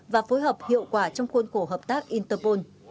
và phối hợp hiệu quả trong khuôn khổ hợp tác interpol